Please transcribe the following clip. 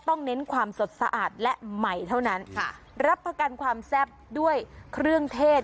เน้นความสดสะอาดและใหม่เท่านั้นค่ะรับประกันความแซ่บด้วยเครื่องเทศ